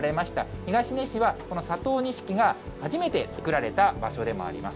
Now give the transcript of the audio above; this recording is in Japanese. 東根市は、この佐藤錦が初めて作られた場所でもあります。